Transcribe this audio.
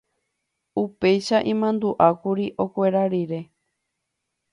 Upéicha imandu'ákuri okuera rire.